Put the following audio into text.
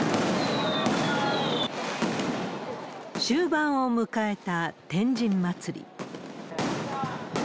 終盤を迎えた天神祭。